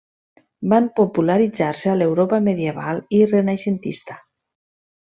Van popularitzar-se a l'Europa medieval i renaixentista.